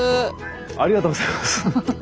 ありがとうございます。